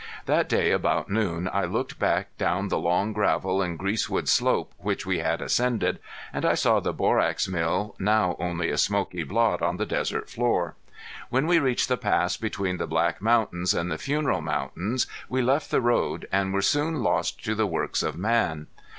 That day about noon I looked back down the long gravel and greasewood slope which we had ascended and I saw the borax mill now only a smoky blot on the desert floor. When we reached the pass between the Black Mountains and the Funeral Mountains we left the road, and were soon lost to the works of man.